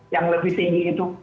yang lebih tinggi itu